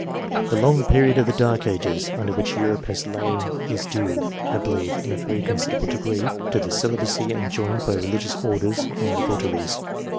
.The long period of the dark ages under which Europe has lain is due, I believe, in a very considerable degree, to the celibacy enjoined by religious orders On their votaries.